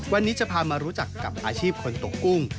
วันนี้จะพามารู้จักกับอาชีพคนตกกุ้ง